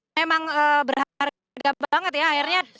memang berharga banget ya akhirnya